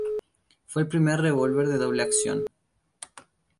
Fue el primer revólver de doble acción.